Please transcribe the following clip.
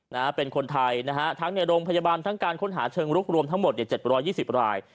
นะฮะเป็นคนไทยนะฮะทั้งในโรงพยาบาลทั้งการค้นหาเชิงรุกรวมทั้งหมดเนี่ยเจ็ดร้อยยี่สิบราย